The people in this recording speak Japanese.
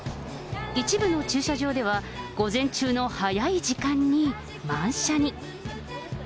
一部の駐車場では、午前中の早い時間に満車に。